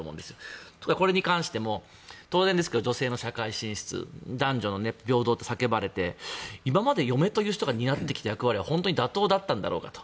これについても当然女性の社会進出男女の平等が叫ばれて今まで嫁という人が担ってきた役割は妥当だったんだろうかと。